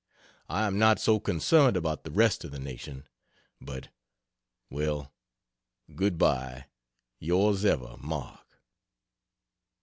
I am not so concerned about the rest of the nation, but well, good bye. Ys Ever MARK.